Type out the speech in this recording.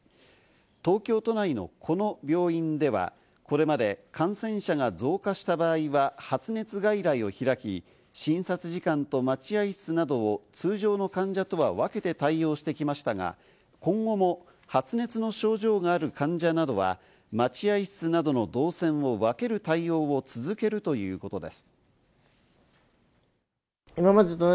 東京都内のこの病院では、これまで感染者が増加した場合は発熱外来を開き、診察時間と待合室などを、通常の患者とは分けて対応してきましたが、今後も発熱の症状がある患者などは、待合室などの動線を分ける対応を続けるということです。